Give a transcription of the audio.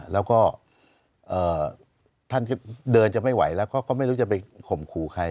แล้วก็ท่านที่เดินจะไม่ไหวแล้วก็ไม่รู้จะไปข่มขู่ใคร